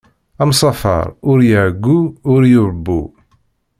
Amsafer ur iɛeggu, ur iṛebbu.